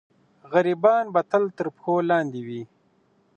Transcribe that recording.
غریبان به تل تر پښو لاندې وي.